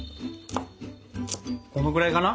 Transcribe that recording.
このぐらいかな？